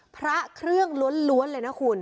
พระเครื่องล้วนเลยนะคุณ